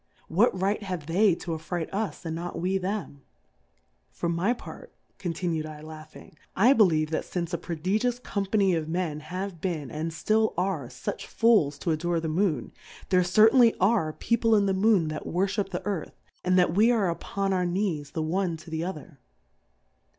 What right have they to afright us and not we them ? For my part, contimi^dllangbing^ I believe that fiiice a prodigious Company of Men have been, and tlill are, fuch Fools to a dore the Moon, there certainly are Peo ple in the Moon that worfliip the Earth, and that we are upon our Knees the one to the odier.